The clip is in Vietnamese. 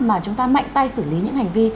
mà chúng ta mạnh tay xử lý những hành vi